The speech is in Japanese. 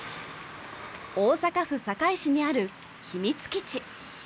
大阪府堺市にあるひみつ基地。